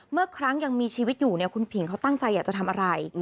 เมื่อครั้งยังมีชีวิตอยู่เนี่ยคุณผิงเขาตั้งใจอยากจะทำอะไร